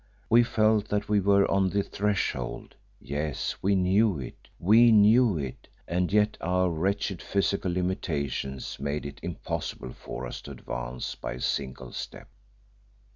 We felt that we were on the threshold yes, we knew it, we knew it, and yet our wretched physical limitations made it impossible for us to advance by a single step.